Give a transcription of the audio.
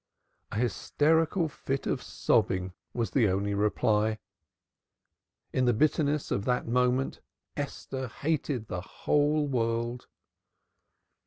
A hysterical fit of sobbing was the only reply. In the bitterness of that moment Esther hated the whole world.